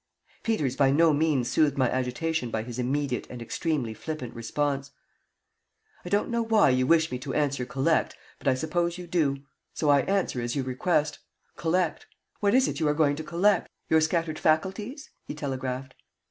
Peters by no means soothed my agitation by his immediate and extremely flippant response. "I don't know why you wish me to answer collect, but I suppose you do. So I answer as you request: Collect. What is it you are going to collect? Your scattered faculties?" he telegraphed.